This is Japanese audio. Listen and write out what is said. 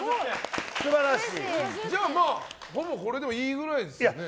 じゃあ、ほぼこれでもいいぐらいですよね。